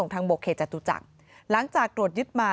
สักครึ่งชมมองกว่ากว่า